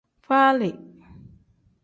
Faali.